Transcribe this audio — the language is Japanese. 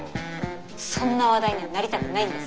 そんな話題にはなりたくないんです。